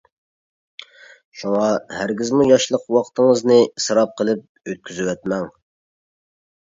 شۇڭا ھەرگىزمۇ ياشلىق ۋاقتىڭىزنى ئىسراپ قىلىپ ئۆتكۈزۈۋەتمەڭ.